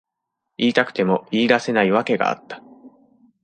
言いたくても言い出せない訳があった。